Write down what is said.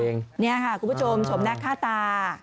นี่ค่ะคุณผู้ชมชมหน้าค่าตา